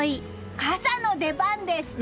傘の出番です！